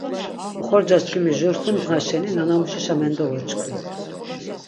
Oxorcaçkimi jur, sum ndğa şeni nanamuşişa mendovoçkvi.